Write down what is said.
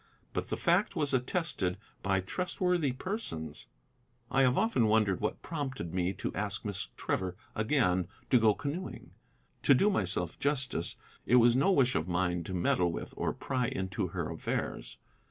But the fact was attested by trustworthy persons. I have often wondered what prompted me to ask Miss Trevor again to go canoeing. To do myself justice, it was no wish of mine to meddle with or pry into her affairs.